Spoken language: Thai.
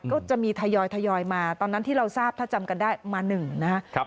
ก็จะมีทยอยมาตอนนั้นที่เราทราบถ้าจำกันได้มา๑นะครับ